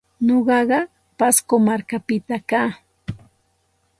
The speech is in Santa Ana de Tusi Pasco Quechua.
Nuqaqa Pasco markapita kaa.